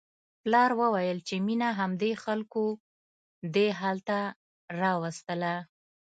پلار وویل چې مينه همدې خلکو دې حال ته راوستله